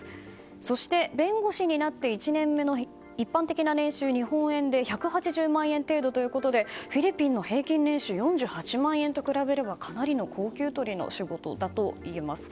そして弁護士になって１年目の一般的な年収日本円で１８０万円程度ということでフィリピンの平均年収４８万円と比べればかなりの高給取りの仕事だといえます。